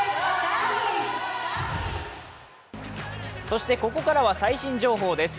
そしてここからは最新情報です。